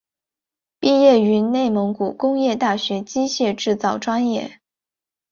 毕业于内蒙古工业大学机械制造专业。